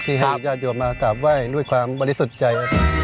ให้ญาติโยมมากราบไหว้ด้วยความบริสุทธิ์ใจ